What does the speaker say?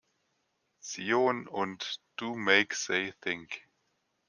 Zion und Do Make Say Think.